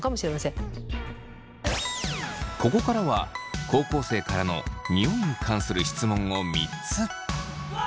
ここからは高校生からのニオイに関する質問を３つ。